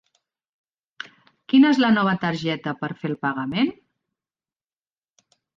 Quina és la nova targeta per fer el pagament?